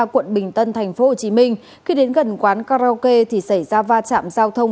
quận bình tân tp hcm khi đến gần quán karaoke thì xảy ra va chạm giao thông